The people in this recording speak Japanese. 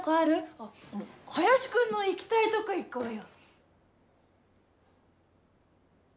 あっ林くんの行きたいとこ行こうよ。